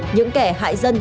những kẻ hại dân